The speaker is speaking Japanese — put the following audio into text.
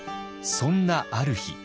そんなある日。